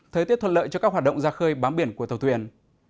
thời tiết thuận lợi cho các hoạt động ra khơi bám biển của tàu thuyền